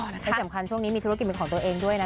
และสำคัญช่วงนี้มีธุรกิจเป็นของตัวเองด้วยนะ